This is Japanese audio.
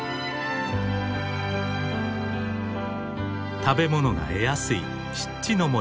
食べ物が得やすい湿地の森。